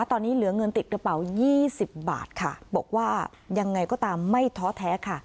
ตอนนี้เหลือเงินติดกระเป๋า๒๐บาทค่ะบอกว่ายังไงก็ตามไม่ท้อแท้ค่ะ